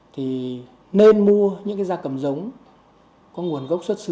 thì nên mua những cái da cầm giống có nguồn gốc xuất xứ